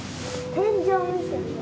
「天井」見てるよ。